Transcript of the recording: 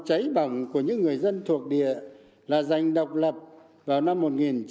cháy bỏng của những người dân thuộc địa là giành độc lập vào năm một nghìn chín trăm bảy mươi